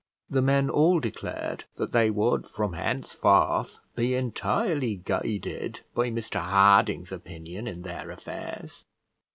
The men all declared that they would from henceforth be entirely guided by Mr Harding's opinion in their affairs.